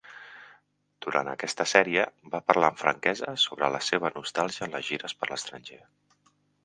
Durant aquesta sèrie, va parlar amb franquesa sobre la seva nostàlgia en les gires per l'estranger.